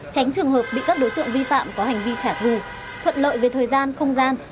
tránh trường hợp bị các đối tượng vi phạm có hành vi trả gù thuận lợi về thời gian không gian